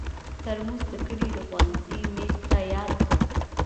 ترموز د کلي د ښوونځي میز ته یاد دی.